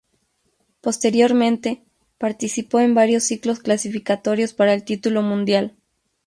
Posteriormente, participó en varios ciclos clasificatorios para el título mundial.